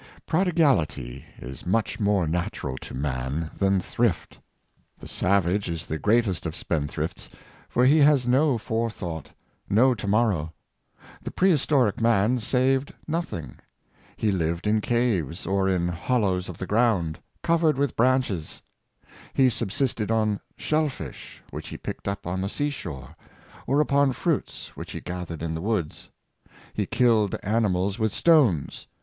Prodigality is much more natural to man than thrift. The savage is the greatest of spendthrifts, for he has no forethought, no to morrow. The prehistoric man saved nothing. He lived in caves, or in hollows of the ground, Useful Labors, 399 covered with branches. He subsisted on shell fish which he picked up on the sea shore, or upon fi^uits which he gathered in the woods. He killed animals with stones.